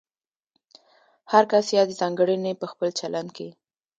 هر کس یادې ځانګړنې په خپل چلند کې